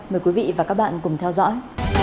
mời quý vị và các bạn cùng theo dõi